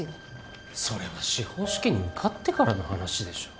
それは司法試験に受かってからの話でしょう。